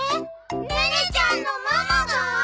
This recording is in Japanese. ネネちゃんのママが！？